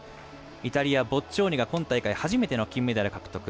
イタリア、ボッジョーニが今大会初めての金メダル獲得。